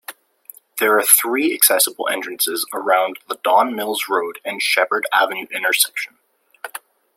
There are three accessible entrances around the Don Mills Road and Sheppard Avenue intersection.